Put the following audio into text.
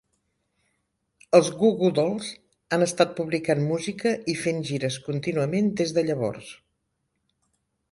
Els Goo Goo Dolls han estat publicant música i fent gires contínuament des de llavors.